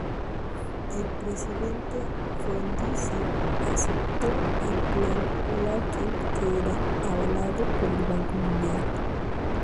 El presidente Frondizi aceptó el Plan Larkin, que era avalado por el Banco Mundial.